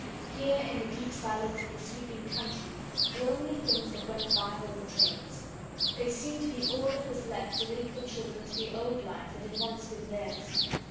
Here in the deep silence of the sleeping country the only things that went by were the trains. They seemed to be all that was left to link the children to the old life that had once been theirs.